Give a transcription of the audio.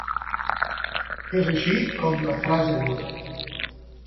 És així com la frase muta.